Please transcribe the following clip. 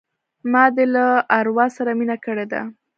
ما دي له اروا سره مینه کړې ده